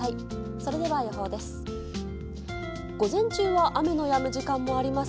それでは、予報です。